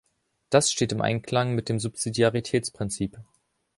Das steht im Einklang mit dem Subsidiaritätsprinzip.